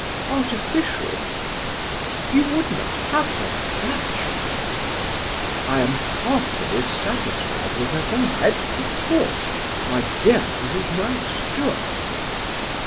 "Artificial?" "You would not have her natural?" "I am heartily satisfied with her from head to foot, my dear Mrs. Mountstuart."